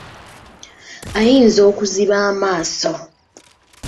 Ayinza okuziba amaaso.